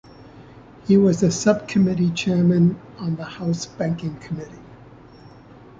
He was a subcommittee chairman on the House Banking Committee.